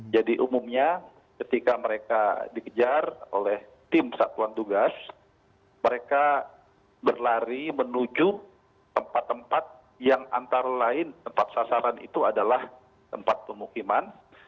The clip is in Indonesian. jadi umumnya ketika mereka dikejar oleh tim satuan tugas mereka berlari menuju tempat tempat yang antara lain tempat sasaran itu adalah tempat pemukiman